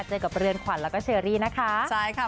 เจอกับเรือนขวัญแล้วก็เชอรี่นะคะใช่ค่ะ